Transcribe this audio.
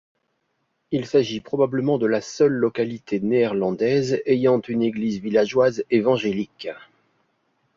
Il s'agit probablement de la seule localité néerlandaise ayant une église villageoise évangélique.